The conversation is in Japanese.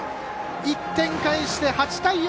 １点返して８対４！